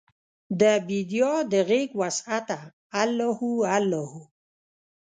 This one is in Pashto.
دبیدیا د غیږوسعته الله هو، الله هو